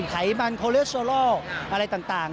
ไขมันโคเลสโซโลอะไรต่าง